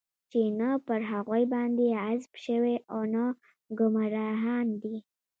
چې نه پر هغوى باندې غضب شوى او نه ګمراهان دی.